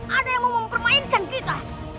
ada yang mau mempermainkan kita